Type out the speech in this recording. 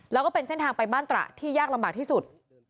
แล้วก็เป็นเส้นทางไปบ้านตระที่ยากลำบากที่สุด